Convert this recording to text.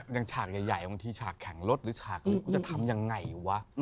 ยังฉากใหญ่บางทีฉากแข็งรถฉากก็จะทำยังไงวะ